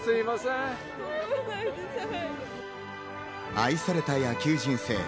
愛された野球人生。